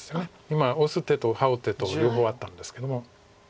今オス手とハウ手と両方あったんですけども。